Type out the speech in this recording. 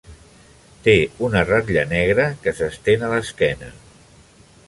Té una ratlla negra que s'estén a l'esquena.